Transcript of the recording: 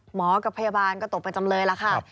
กับพยาบาลก็ตกเป็นจำเลยล่ะค่ะ